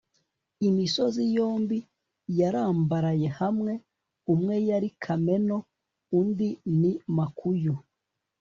imisozi yombi yarambaraye hamwe. umwe yari kameno, undi ni makuyu